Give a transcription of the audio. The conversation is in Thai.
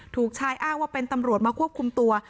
ถูกชายอ้างว่าเป็นตำรวจมาควบคุมตัว